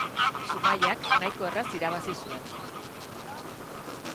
Zumaiak nahiko erraz irabazi zuen.